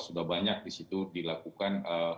sudah banyak di situ dilakukan